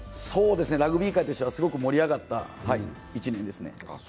ラグビー界としては盛り上がった１年でしたね。